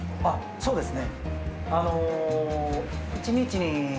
そうですね。